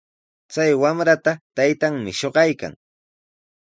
Chay wamrata taytanmi shuqaykan.